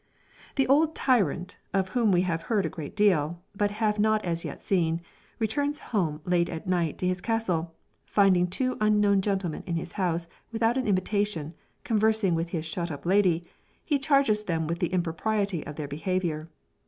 The old tyrant, of whom we have heard a great deal, but have not as yet seen, returns home late at night to his castle, and finding two unknown gentlemen in his house without an invitation, conversing with his shut up lady, he charges them with the impropriety of their behaviour.